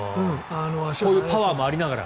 こういうパワーもありながら。